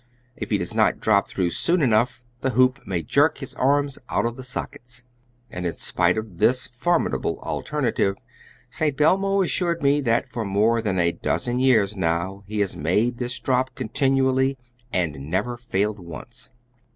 If he does not drop through soon enough, the hoop may jerk his arms out of the sockets. And in spite of this formidable alternative St. Belmo assured me that for more than a dozen years now he has made this drop continually, and never failed once.